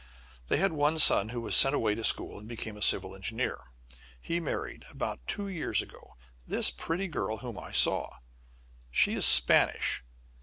They had one son who was sent away to school, and became a civil engineer. He married, about two years ago, this pretty girl whom I saw. She is Spanish.